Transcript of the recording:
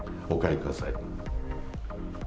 お帰りください！